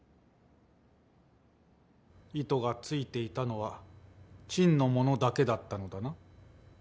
糸がついていたのは朕のものだけだったのだな？